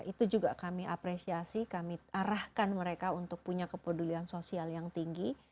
itu juga kami apresiasi kami arahkan mereka untuk punya kepedulian sosial yang tinggi